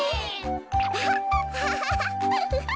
アハハハハハハ。